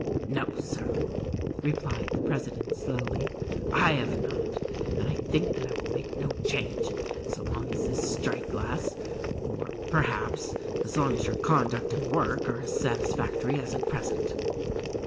"No, Sir," replied the president slowly, "I have not; and I think that I will make no change so long as this strike lasts, or, perhaps, so long as your conduct and work are as satisfactory as at present."